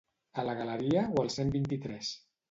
A la Galeria o al Cent vint-i-tres?